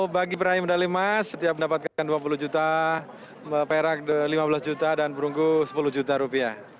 bagi peraih medali emas setiap mendapatkan dua puluh juta perak lima belas juta dan perunggu sepuluh juta rupiah